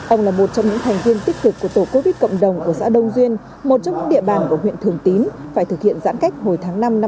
ông là một trong những thành viên tích cực của tổ covid cộng đồng của xã đông duyên một trong những địa bàn của huyện thường tín phải thực hiện giãn cách hồi tháng năm